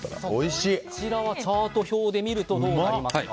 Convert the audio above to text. こちらはチャート表で見るとどの辺りになりますか？